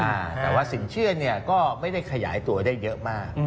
แต่ว่าสินเชื่อเนี่ยก็ไม่ได้ขยายตัวได้เยอะมาก